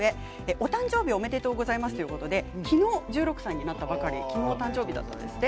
お誕生日おめでとうございますということで、きのう１６歳のお誕生日だったんですって。